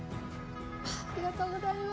ありがとうございます。